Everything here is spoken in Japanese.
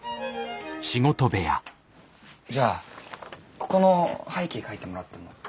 じゃあここの背景描いてもらっても？